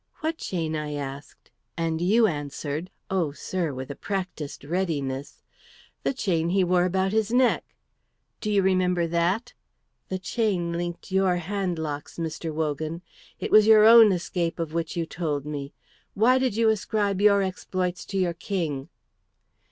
'What chain?' I asked, and you answered, oh, sir, with a practised readiness, 'The chain he wore about his neck.' Do you remember that? The chain linked your hand locks, Mr. Wogan. It was your own escape of which you told me. Why did you ascribe your exploits to your King?"